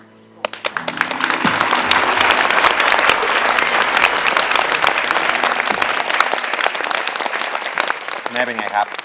คุณแม่เป็นไงครับ